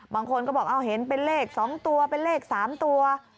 บางคนก็บอกเห็นเป็นเลขสองตัวเป็นเลขสามตัว